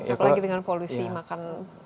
apalagi dengan polusi makan plastik gitu kan